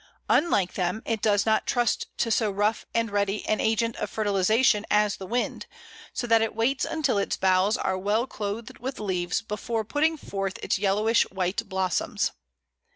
Unlike them, it does not trust to so rough and ready an agent of fertilization as the wind, so that it waits until its boughs are well clothed with leaves before putting forth its yellowish white blossoms.